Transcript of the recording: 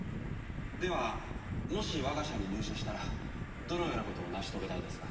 ではもし我が社に入社したらどのようなことを成し遂げたいですか？